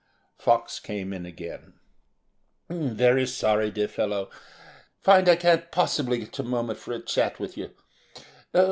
Fox came in again. "Very sorry, my dear fellow, find I can't possibly get a moment for a chat with you.